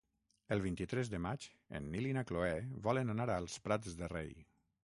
El vint-i-tres de maig en Nil i na Cloè volen anar als Prats de Rei.